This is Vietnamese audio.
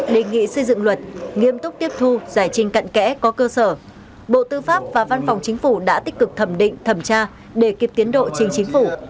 đề nghị xây dựng luật nghiêm túc tiếp thu giải trình cận kẽ có cơ sở bộ tư pháp và văn phòng chính phủ đã tích cực thẩm định thẩm tra để kịp tiến độ trình chính phủ